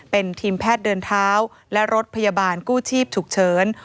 เป็นทีมแพทย์เดินเท้าและรถพยาบาลกู้ชีพฉุกเฉิน